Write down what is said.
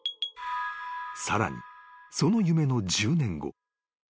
［さらにその夢の１０年後］